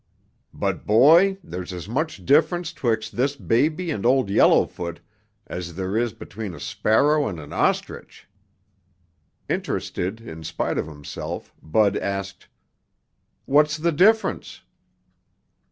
But, Boy, there's as much difference 'twixt this baby and Old Yellowfoot as there is between a sparrow and an ostrich!" Interested in spite of himself, Bud asked, "What's the difference?"